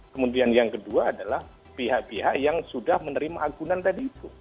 kemudian yang kedua adalah pihak pihak yang sudah menerima agunan tadi itu